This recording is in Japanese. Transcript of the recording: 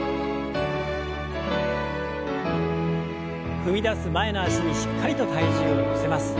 踏み出す前の脚にしっかりと体重を乗せます。